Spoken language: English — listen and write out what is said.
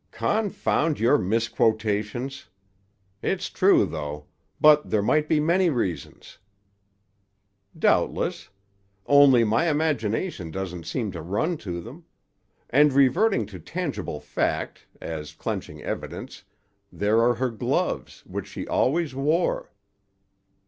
"Confound your misquotations! It's true, though. But there might be many reasons." "Doubtless. Only, my imagination doesn't seem to run to them. And reverting to tangible fact, as clenching evidence, there are her gloves, which she always wore."